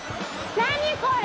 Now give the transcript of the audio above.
何これ！